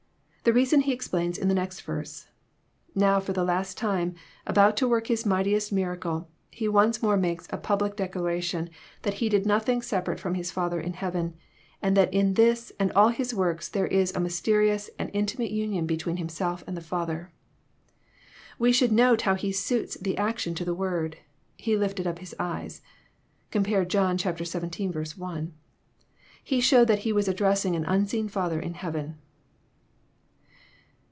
The reason He explains in the next verse. Now, for the last time, about to work His mightiest miracle. He once more makes a public dec laration that He did nothing separate from His Father in heaven, and that in this and all His works there is a mysterious and in timate union between Himself and the Father. We should note how He suits the action to the word. " He lifted up His eyes." (Compare John xvii. 1.) He showed that He was addressing an unseen Father in heaven.